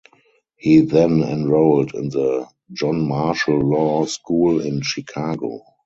He then enrolled in the John Marshall Law School in Chicago.